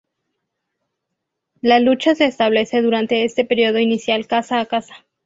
La lucha se establece durante este periodo inicial casa a casa.